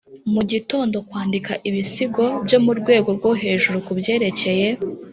mugitondo kwandika ibisigo byo murwego rwo hejuru kubyerekeye